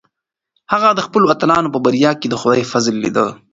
هغه د خپلو اتلانو په بریا کې د خدای فضل لیده.